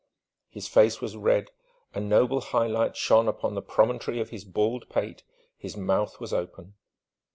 His face was red, a noble high light shone upon the promontory of his bald pate, his mouth was open.